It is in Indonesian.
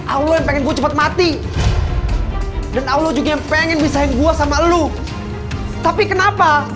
allah yang pengen gue cepat mati dan allah juga yang pengen bisain gue sama elu tapi kenapa